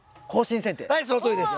はいそのとおりです！